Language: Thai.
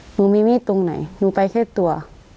หนูมีมีดตรงไหนหนูไปแค่ตัว